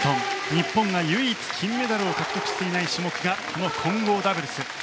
日本が唯一金メダルを獲得していない種目がこの混合ダブルス。